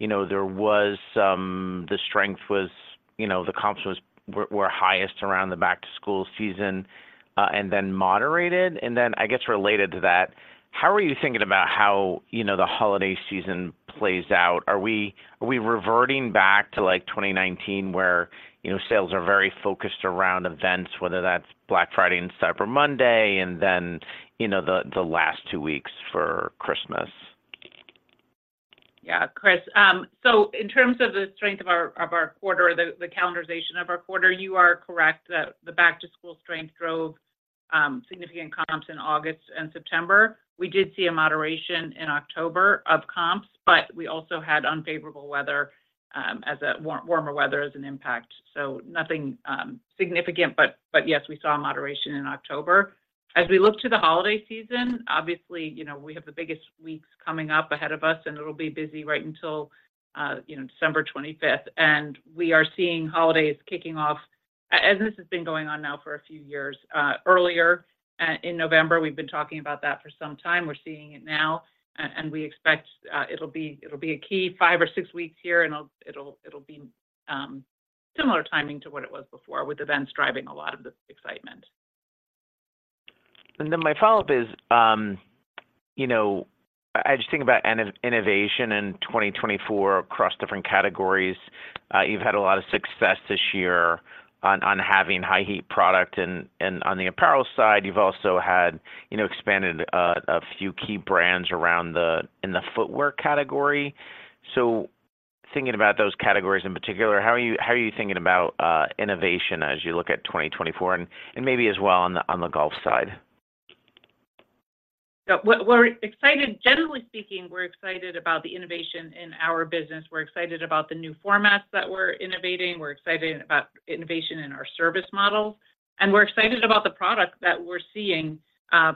you know, there was some, the strength was, you know, the comps were highest around the back-to-school season, and then moderated? And then I guess related to that, how are you thinking about how, you know, the holiday season plays out? Are we reverting back to, like, 2019, where, you know, sales are very focused around events, whether that's Black Friday and Cyber Monday, and then, you know, the last two weeks for Christmas? Yeah, Chris, so in terms of the strength of our quarter, the calendarization of our quarter, you are correct that the back-to-school strength drove significant comps in August and September. We did see a moderation in October of comps, but we also had unfavorable weather as warmer weather as an impact. So nothing significant, but yes, we saw a moderation in October. As we look to the holiday season, obviously, you know, we have the biggest weeks coming up ahead of us, and it'll be busy right until, you know, December 25th. And we are seeing holidays kicking off, as this has been going on now for a few years earlier in November. We've been talking about that for some time. We're seeing it now, and we expect it'll be a key five or six weeks here, and it'll be similar timing to what it was before, with events driving a lot of the excitement. And then my follow-up is, you know, I just think about innovation in 2024 across different categories. You've had a lot of success this year on, on having high heat product, and, and on the apparel side, you've also had, you know, expanded a, a few key brands around the... in the footwear category. So thinking about those categories in particular, how are you, how are you thinking about, innovation as you look at 2024, and, and maybe as well on the, on the golf side? Yeah, we're excited. Generally speaking, we're excited about the innovation in our business. We're excited about the new formats that we're innovating. We're excited about innovation in our service models, and we're excited about the product that we're seeing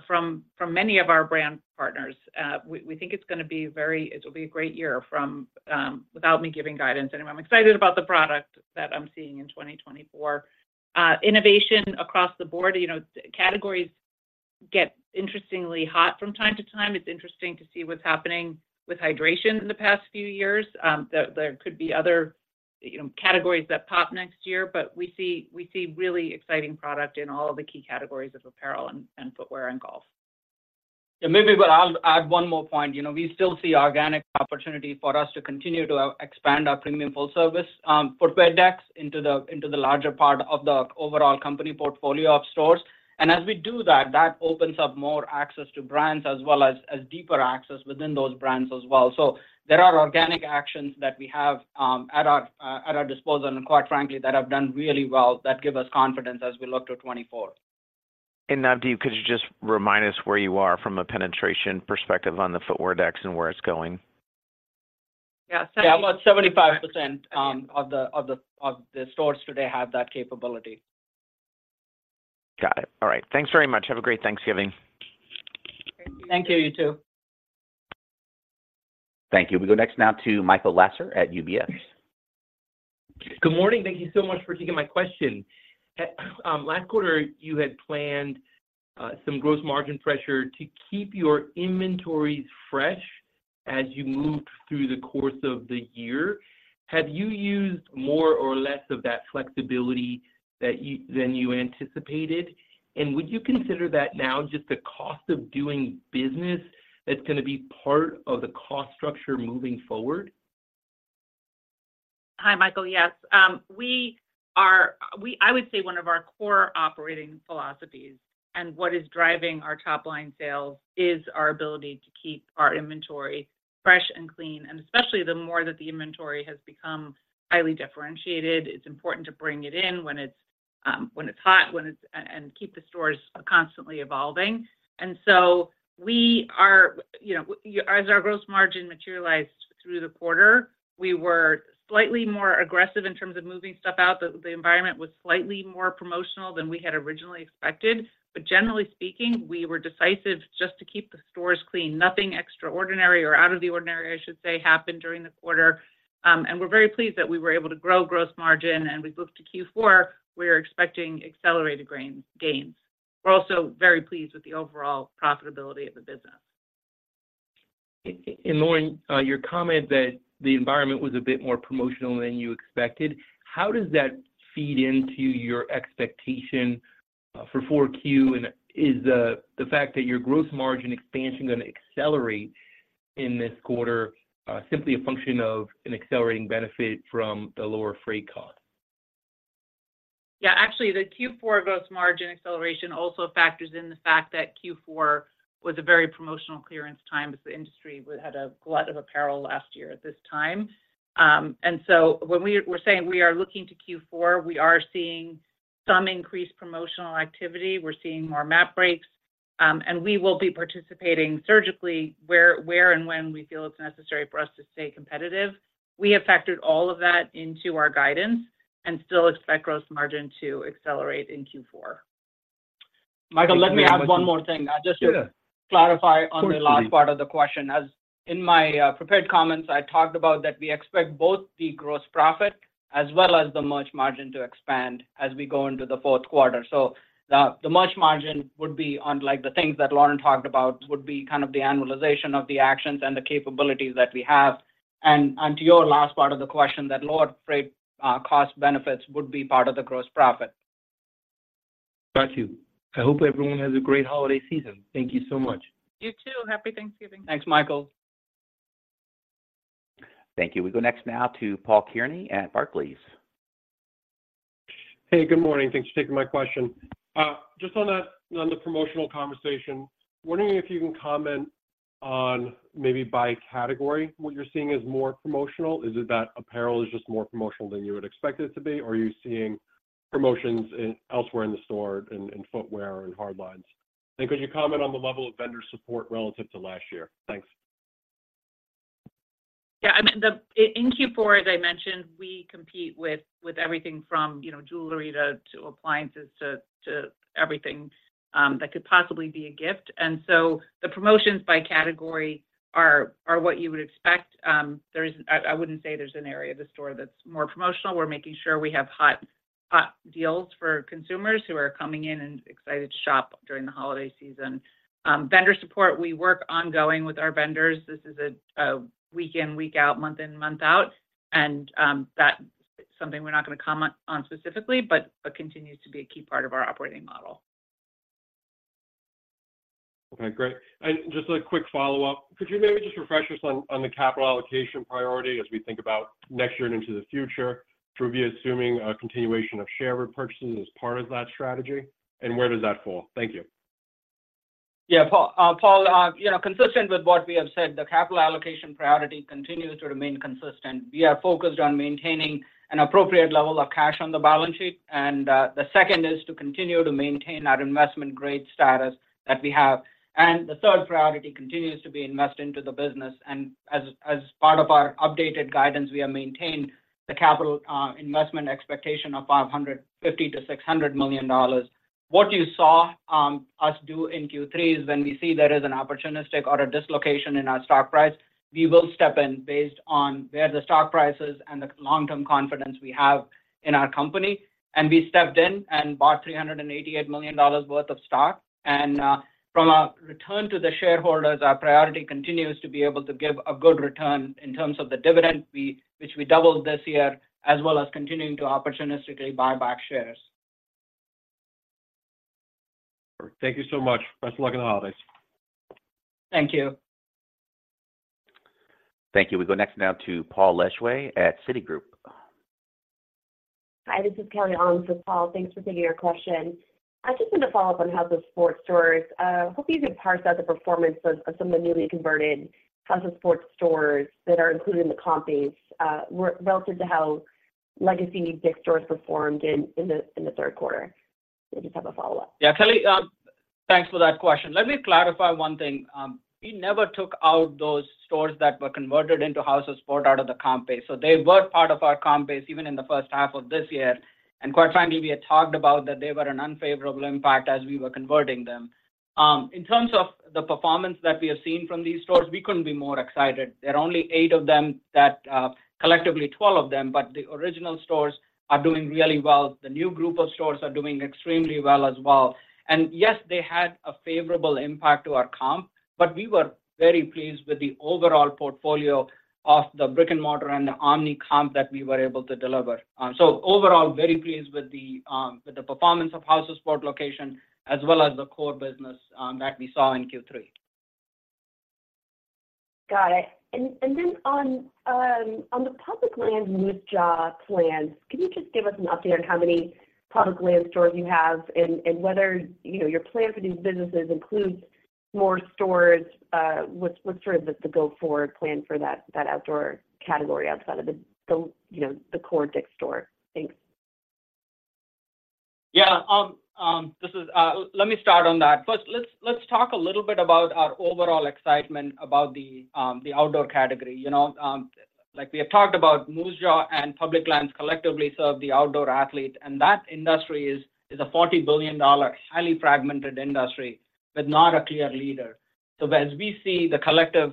from many of our brand partners. We think it's gonna be very- it'll be a great year from without me giving guidance. And I'm excited about the product that I'm seeing in 2024. Innovation across the board, you know, categories get interestingly hot from time to time. It's interesting to see what's happening with hydration in the past few years. There could be other, you know, categories that pop next year, but we see really exciting product in all the key categories of apparel and footwear, and golf. Yeah, maybe, but I'll add one more point. You know, we still see organic opportunity for us to continue to expand our premium full service footwear decks into the, into the larger part of the overall company portfolio of stores. And as we do that, that opens up more access to brands as well as, as deeper access within those brands as well. So there are organic actions that we have at our disposal, and quite frankly, that have done really well, that give us confidence as we look to 2024. Navdeep, could you just remind us where you are from a penetration perspective on the footwear decks and where it's going? Yeah, seventy- Yeah, about 75% of the stores today have that capability. Got it. All right. Thanks very much. Have a great Thanksgiving. Thank you. Thank you. You too. Thank you. We go next now to Michael Lasser at UBS. Good morning. Thank you so much for taking my question. Last quarter, you had planned some gross margin pressure to keep your inventories fresh as you moved through the course of the year. Have you used more or less of that flexibility that you than you anticipated? And would you consider that now just the cost of doing business that's gonna be part of the cost structure moving forward? Hi, Michael. Yes, we are. I would say one of our core operating philosophies and what is driving our top-line sales is our ability to keep our inventory fresh and clean, and especially the more that the inventory has become highly differentiated. It's important to bring it in when it's hot, when it's. And keep the stores constantly evolving. And so we are, you know, as our gross margin materialized through the quarter, we were slightly more aggressive in terms of moving stuff out. The environment was slightly more promotional than we had originally expected, but generally speaking, we were decisive just to keep the stores clean. Nothing extraordinary or out of the ordinary, I should say, happened during the quarter. We're very pleased that we were able to grow gross margin. As we look to Q4, we are expecting accelerated gross margin gains. We're also very pleased with the overall profitability of the business. And Lauren, your comment that the environment was a bit more promotional than you expected, how does that feed into your expectation for Q4? And is the fact that your gross margin expansion gonna accelerate in this quarter simply a function of an accelerating benefit from the lower freight cost? Yeah, actually, the Q4 gross margin acceleration also factors in the fact that Q4 was a very promotional clearance time, as the industry had a glut of apparel last year at this time. And so when we're saying we are looking to Q4, we are seeing some increased promotional activity. We're seeing more MAP breaks, and we will be participating surgically where and when we feel it's necessary for us to stay competitive. We have factored all of that into our guidance and still expect gross margin to accelerate in Q4. Michael, let me add one more thing. Just to- Yeah... clarify on the last part of the question. As in my prepared comments, I talked about that we expect both the gross profit as well as the merch margin to expand as we go into the fourth quarter. So the merch margin would be on, like, the things that Lauren talked about, would be kind of the annualization of the actions and the capabilities that we have. And to your last part of the question, that lower freight cost benefits would be part of the gross profit. Got you. I hope everyone has a great holiday season. Thank you so much. You too. Happy Thanksgiving! Thanks, Michael. Thank you. We go next now to Paul Kearney at Barclays. Hey, good morning. Thanks for taking my question. Just on that, on the promotional conversation, wondering if you can comment on maybe by category, what you're seeing as more promotional. Is it that apparel is just more promotional than you would expect it to be, or are you seeing promotions in elsewhere in the store, in footwear and hardlines? And could you comment on the level of vendor support relative to last year? Thanks. Yeah, I mean, in Q4, as I mentioned, we compete with everything from, you know, jewelry to appliances to everything that could possibly be a gift. And so the promotions by category are what you would expect. I wouldn't say there's an area of the store that's more promotional. We're making sure we have hot, hot deals for consumers who are coming in and excited to shop during the holiday season. Vendor support, we work ongoing with our vendors. This is a week in, week out, month in, month out, and that is something we're not gonna comment on specifically, but it continues to be a key part of our operating model. Okay, great. Just a quick follow-up. Could you maybe just refresh us on the capital allocation priority as we think about next year and into the future? Should we be assuming a continuation of share repurchases as part of that strategy, and where does that fall? Thank you. Yeah, Paul. You know, consistent with what we have said, the capital allocation priority continues to remain consistent. We are focused on maintaining an appropriate level of cash on the balance sheet, and the second is to continue to maintain our investment grade status that we have. And the third priority continues to be invest into the business, and as part of our updated guidance, we have maintained the capital investment expectation of $550 million-$600 million. What you saw us do in Q3 is when we see there is an opportunistic or a dislocation in our stock price, we will step in based on where the stock price is and the long-term confidence we have in our company. And we stepped in and bought $388 million worth of stock. From a return to the shareholders, our priority continues to be able to give a good return in terms of the dividend which we doubled this year, as well as continuing to opportunistically buy back shares. Thank you so much. Best of luck in the holidays. Thank you. Thank you. We go next now to Paul Lejuez at Citigroup. Hi, this is Kelly on for Paul. Thanks for taking your question. I just want to follow up on House of Sport stores. Hope you can parse out the performance of some of the newly converted House of Sport stores that are included in the comp base, relative to how legacy DICK'S stores performed in the third quarter. I just have a follow-up. Yeah, Kelly, thanks for that question. Let me clarify one thing. We never took out those stores that were converted into House of Sport out of the comp base. So they were part of our comp base even in the first half of this year. And quite frankly, we had talked about that they were an unfavorable impact as we were converting them. In terms of the performance that we have seen from these stores, we couldn't be more excited. There are only eight of them that, collectively 12 of them, but the original stores are doing really well. The new group of stores are doing extremely well as well. And yes, they had a favorable impact to our comp, but we were very pleased with the overall portfolio of the brick-and-mortar and the omni-comp that we were able to deliver. Overall, very pleased with the performance of House of Sport location, as well as the core business, that we saw in Q3. Got it. And then on the Public Lands and Moosejaw plans, can you just give us an update on how many Public Lands stores you have and whether, you know, your plan for these businesses includes more stores? What's sort of the go-forward plan for that outdoor category outside of the, you know, the core DICK'S store? Thanks. Yeah. Let me start on that. First, let's talk a little bit about our overall excitement about the outdoor category. You know, like we have talked about Moosejaw and Public Lands collectively serve the outdoor athlete, and that industry is a $40 billion highly fragmented industry, but not a clear leader. So as we see the collective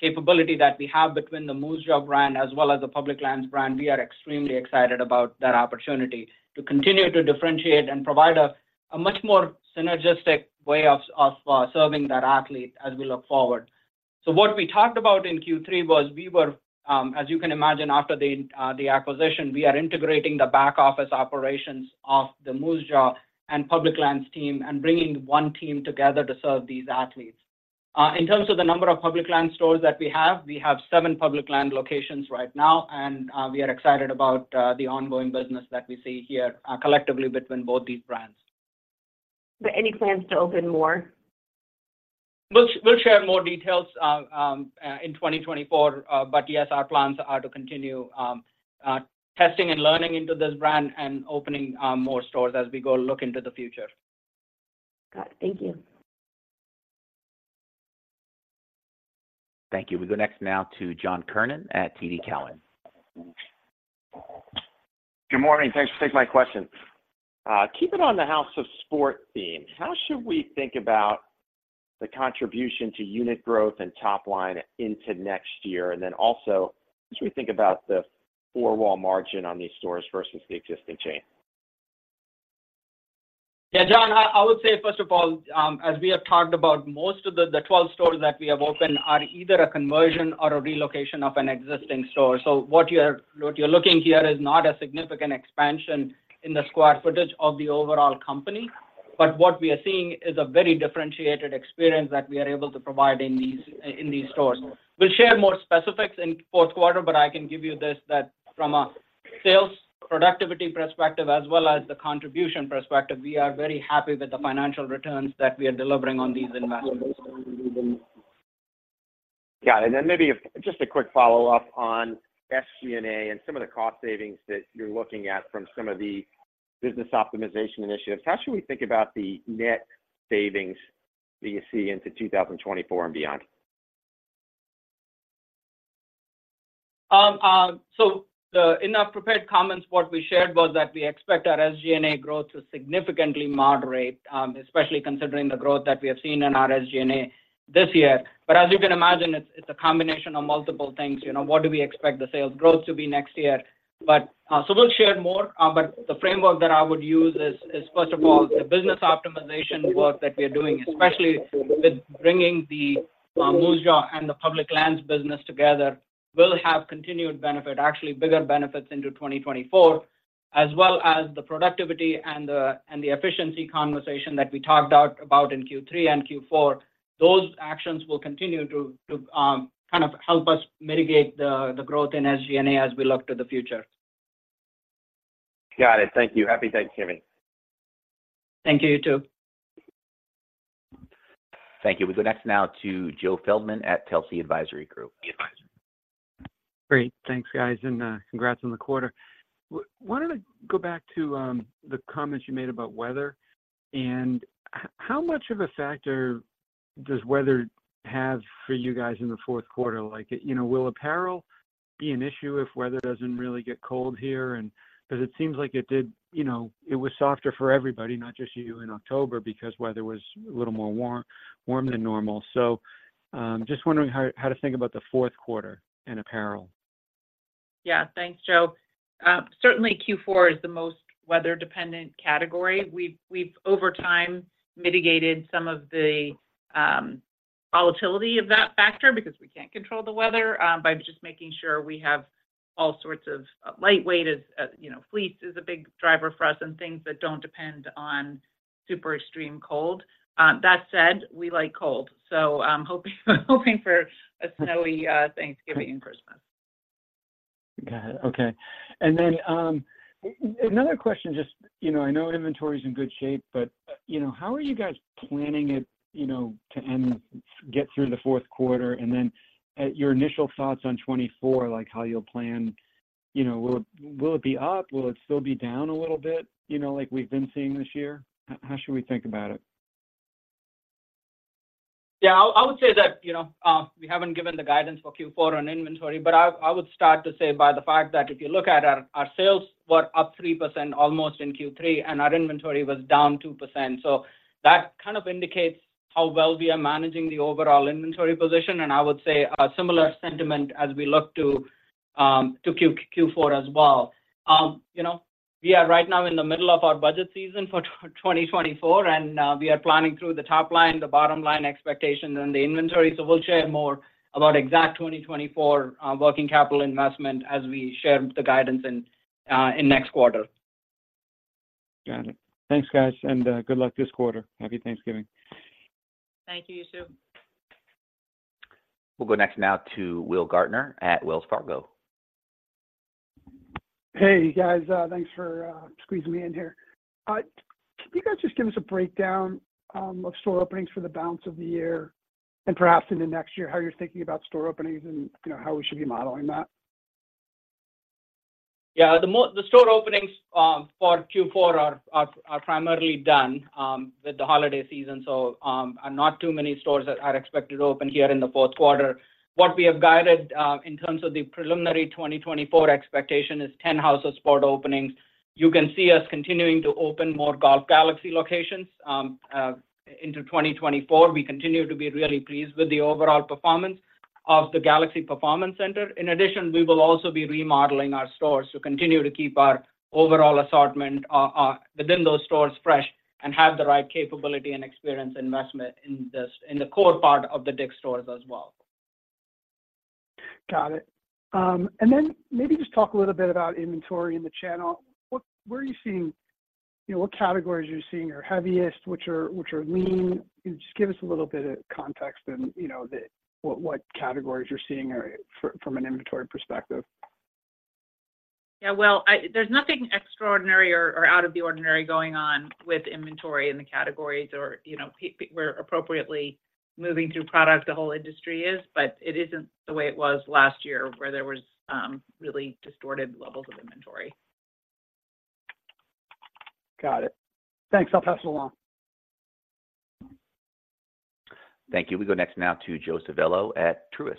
capability that we have between the Moosejaw brand as well as the Public Lands brand, we are extremely excited about that opportunity to continue to differentiate and provide a much more synergistic way of serving that athlete as we look forward. So what we talked about in Q3 was we were, as you can imagine, after the acquisition, we are integrating the back office operations of the Moosejaw and Public Lands team and bringing one team together to serve these athletes. In terms of the number of Public Lands stores that we have, we have seven Public Lands locations right now, and we are excited about the ongoing business that we see here, collectively between both these brands. Any plans to open more? We'll share more details in 2024. But yes, our plans are to continue testing and learning into this brand and opening more stores as we go look into the future. Got it. Thank you. ... Thank you. We go next now to John Kernan at TD Cowen. Good morning. Thanks for taking my question. Keeping on the House of Sport theme, how should we think about the contribution to unit growth and top line into next year? And then also, how should we think about the four-wall margin on these stores versus the existing chain? Yeah, John, I would say, first of all, as we have talked about, most of the 12 stores that we have opened are either a conversion or a relocation of an existing store. So what you're looking here is not a significant expansion in the square footage of the overall company, but what we are seeing is a very differentiated experience that we are able to provide in these stores. We'll share more specifics in fourth quarter, but I can give you this, that from a sales productivity perspective, as well as the contribution perspective, we are very happy with the financial returns that we are delivering on these investments. Got it. And then maybe just a quick follow-up on SG&A and some of the cost savings that you're looking at from some of the business optimization initiatives. How should we think about the net savings that you see into 2024 and beyond? In our prepared comments, what we shared was that we expect our SG&A growth to significantly moderate, especially considering the growth that we have seen in our SG&A this year. But as you can imagine, it's a combination of multiple things. You know, what do we expect the sales growth to be next year? But so we'll share more, but the framework that I would use is, first of all, the business optimization work that we are doing, especially with bringing the Moosejaw and the Public Lands business together, will have continued benefit. Actually, bigger benefits into 2024, as well as the productivity and the efficiency conversation that we talked out about in Q3 and Q4. Those actions will continue to kind of help us mitigate the growth in SG&A as we look to the future. Got it. Thank you. Happy Thanksgiving! Thank you. You too. Thank you. We go next now to Joe Feldman at Telsey Advisory Group. Great. Thanks, guys, and congrats on the quarter. Wanted to go back to the comments you made about weather, and how much of a factor does weather have for you guys in the fourth quarter? Like, you know, will apparel be an issue if weather doesn't really get cold here and... Because it seems like it did, you know, it was softer for everybody, not just you in October, because weather was a little more warm, warmer than normal. So, just wondering how to think about the fourth quarter and apparel. Yeah, thanks, Joe. Certainly, Q4 is the most weather-dependent category. We've over time mitigated some of the volatility of that factor because we can't control the weather by just making sure we have all sorts of lightweight, you know, fleece is a big driver for us, and things that don't depend on super extreme cold. That said, we like cold, so I'm hoping for a snowy Thanksgiving and Christmas. Got it. Okay. And then, another question just... You know, I know inventory is in good shape, but, you know, how are you guys planning it, you know, to end, get through the fourth quarter, and then, your initial thoughts on 2024, like how you'll plan? You know, will, will it be up? Will it still be down a little bit, you know, like we've been seeing this year? How should we think about it? Yeah, I would say that, you know, we haven't given the guidance for Q4 on inventory, but I would start to say by the fact that if you look at our sales were up 3% almost in Q3, and our inventory was down 2%. So that kind of indicates how well we are managing the overall inventory position, and I would say a similar sentiment as we look to Q4 as well. You know, we are right now in the middle of our budget season for 2024, and we are planning through the top line, the bottom line expectations, and the inventory. So we'll share more about exact 2024 working capital investment as we share the guidance in next quarter. Got it. Thanks, guys, and good luck this quarter. Happy Thanksgiving. Thank you, you too. We'll go next now to Will Gaertner at Wells Fargo. Hey, guys, thanks for squeezing me in here. Can you guys just give us a breakdown of store openings for the balance of the year and perhaps into next year? How you're thinking about store openings and, you know, how we should be modeling that. Yeah, the store openings for Q4 are primarily done with the holiday season. So, not too many stores that are expected to open here in the fourth quarter. What we have guided in terms of the preliminary 2024 expectation is 10 House of Sport openings. You can see us continuing to open more Golf Galaxy locations into 2024. We continue to be really pleased with the overall performance of the Galaxy Performance Center. In addition, we will also be remodeling our stores to continue to keep our overall assortment within those stores fresh, and have the right capability and experience investment in the core part of the DICK'S stores as well. Got it. And then maybe just talk a little bit about inventory in the channel. What... where are you seeing? You know, what categories are you seeing are heaviest? Which are, which are lean? Just give us a little bit of context and, you know, the... what, what categories you're seeing are from, from an inventory perspective. Yeah, well, there's nothing extraordinary or out of the ordinary going on with inventory in the categories or, you know, we're appropriately moving through product, the whole industry is, but it isn't the way it was last year, where there was really distorted levels of inventory.... Got it. Thanks, I'll pass it along. Thank you. We go next now to Joe Civello at Truist.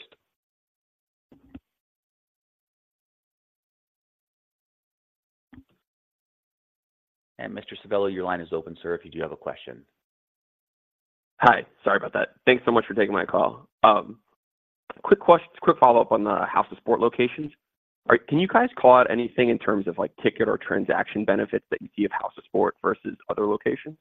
Mr. Civello, your line is open, sir, if you do have a question. Hi, sorry about that. Thanks so much for taking my call. Quick follow-up on the House of Sport locations. All right, can you guys call out anything in terms of, like, ticket or transaction benefits that you see of House of Sport versus other locations?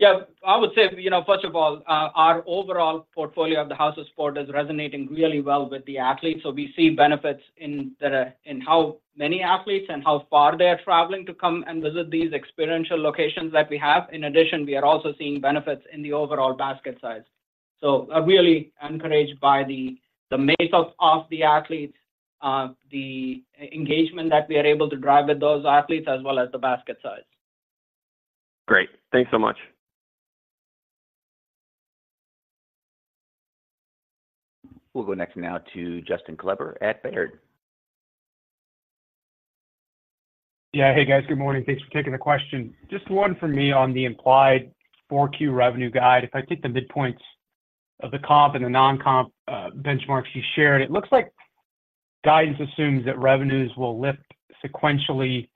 Yeah, I would say, you know, first of all, our overall portfolio of the House of Sport is resonating really well with the athletes. So we see benefits in the, in how many athletes and how far they are traveling to come and visit these experiential locations that we have. In addition, we are also seeing benefits in the overall basket size. So I'm really encouraged by the, the mix of, of the athletes, the engagement that we are able to drive with those athletes, as well as the basket size. Great. Thanks so much. We'll go next now to Justin Kleber at Baird. Yeah. Hey, guys. Good morning. Thanks for taking the question. Just one from me on the implied 4Q revenue guide. If I take the midpoints of the comp and the non-comp benchmarks you shared, it looks like guidance assumes that revenues will lift sequentially,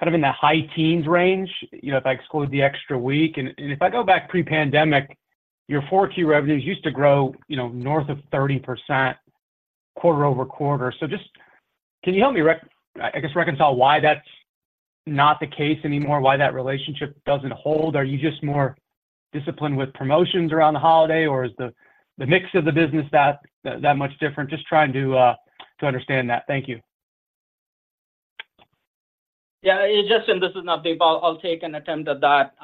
kind of in the high teens range, you know, if I exclude the extra week. And if I go back pre-pandemic, your 4Q revenues used to grow, you know, north of 30% quarter-over-quarter. So just... Can you help me, I guess, reconcile why that's not the case anymore, why that relationship doesn't hold? Are you just more disciplined with promotions around the holiday, or is the mix of the business that much different? Just trying to understand that. Thank you. Yeah, Justin, this is Navdeep. I'll take an attempt at that.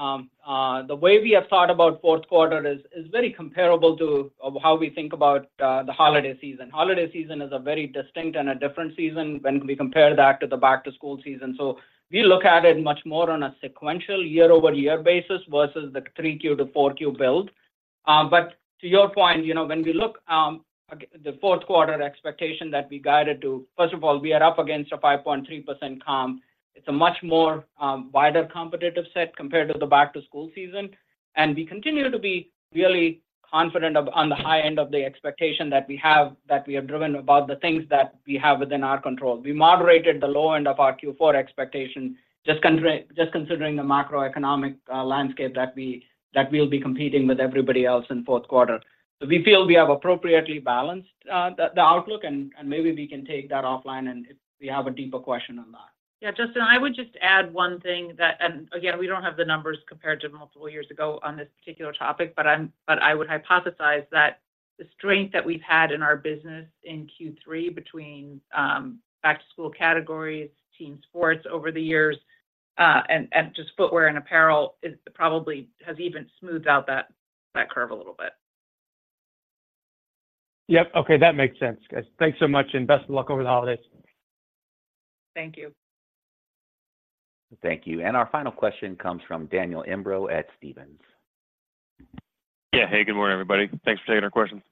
The way we have thought about fourth quarter is very comparable to how we think about the holiday season. Holiday season is a very distinct and a different season when we compare that to the back-to-school season. So we look at it much more on a sequential year-over-year basis versus the 3Q to 4Q build. But to your point, you know, when we look at the fourth quarter expectation that we guided to, first of all, we are up against a 5.3% comp. It's a much more, wider competitive set compared to the back-to-school season, and we continue to be really confident of on the high end of the expectation that we have, that we have driven about the things that we have within our control. We moderated the low end of our Q4 expectation, just considering the macroeconomic, landscape that we, that we'll be competing with everybody else in fourth quarter. So we feel we have appropriately balanced, the, the outlook, and, and maybe we can take that offline, and if we have a deeper question on that. Yeah, Justin, I would just add one thing that... And again, we don't have the numbers compared to multiple years ago on this particular topic, but I would hypothesize that the strength that we've had in our business in Q3, between back-to-school categories, team sports over the years, and just footwear and apparel, it probably has even smoothed out that curve a little bit. Yep. Okay, that makes sense, guys. Thanks so much, and best of luck over the holidays. Thank you. Thank you. Our final question comes from Daniel Imbro at Stephens. Yeah. Hey, good morning, everybody. Thanks for taking our questions.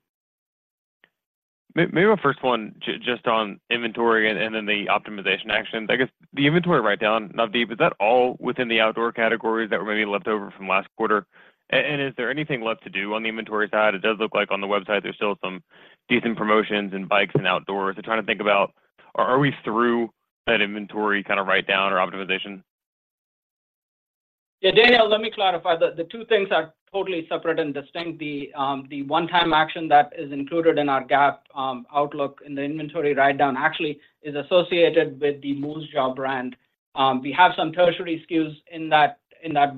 Maybe my first one just on inventory and then the optimization actions. I guess, the inventory write down, Navdeep, is that all within the outdoor categories that were maybe left over from last quarter? And is there anything left to do on the inventory side? It does look like on the website there's still some decent promotions in bikes and outdoors. I'm trying to think about, are we through that inventory kind of write down or optimization? Yeah, Daniel, let me clarify. The two things are totally separate and distinct. The one-time action that is included in our GAAP outlook in the inventory write-down actually is associated with the Moosejaw brand. We have some tertiary SKUs in that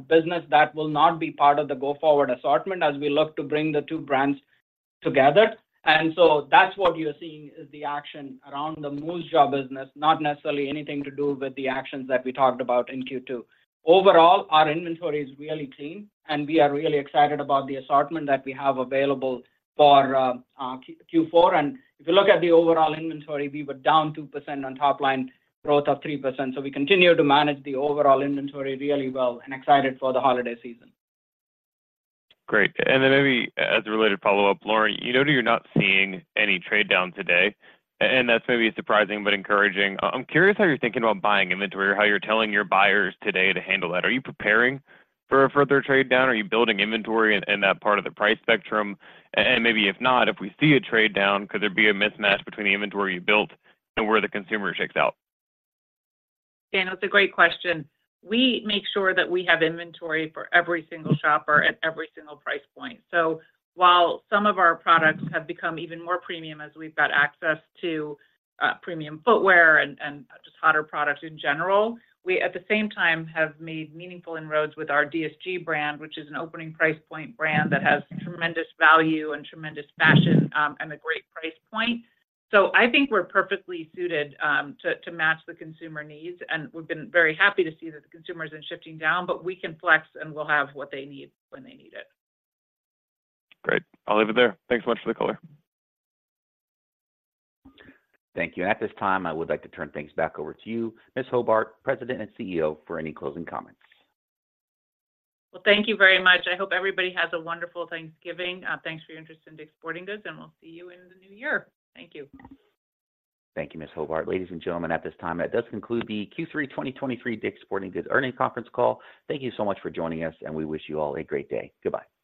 business that will not be part of the go-forward assortment as we look to bring the two brands together. And so that's what you're seeing is the action around the Moosejaw business, not necessarily anything to do with the actions that we talked about in Q2. Overall, our inventory is really clean, and we are really excited about the assortment that we have available for Q4. If you look at the overall inventory, we were down 2% on top line, growth of 3%. We continue to manage the overall inventory really well and excited for the holiday season. Great. And then maybe as a related follow-up, Lauren, you noted you're not seeing any trade down today, and that's maybe surprising but encouraging. I'm curious how you're thinking about buying inventory or how you're telling your buyers today to handle that. Are you preparing for a further trade down? Are you building inventory in, in that part of the price spectrum? And maybe if not, if we see a trade down, could there be a mismatch between the inventory you built and where the consumer checks out? Daniel, it's a great question. We make sure that we have inventory for every single shopper at every single price point. So while some of our products have become even more premium as we've got access to premium footwear and just hotter products in general, we, at the same time, have made meaningful inroads with our DSG brand, which is an opening price point brand that has tremendous value and tremendous fashion, and a great price point. So I think we're perfectly suited to match the consumer needs, and we've been very happy to see that the consumer isn't shifting down, but we can flex, and we'll have what they need when they need it. Great. I'll leave it there. Thanks so much for the color. Thank you. At this time, I would like to turn things back over to you, Ms. Hobart, President and CEO, for any closing comments. Well, thank you very much. I hope everybody has a wonderful Thanksgiving. Thanks for your interest in DICK'S Sporting Goods, and we'll see you in the new year. Thank you. Thank you, Ms. Hobart. Ladies and gentlemen, at this time, that does conclude the Q3 2023 DICK'S Sporting Goods Earnings Conference Call. Thank you so much for joining us, and we wish you all a great day. Goodbye.